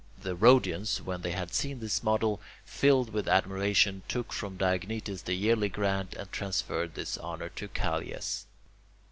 The Rhodians, when they had seen this model, filled with admiration, took from Diognetus the yearly grant and transferred this honour to Callias.